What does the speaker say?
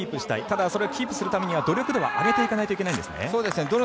ただ、キープするためには努力度は上げていかなきゃいけないんですね。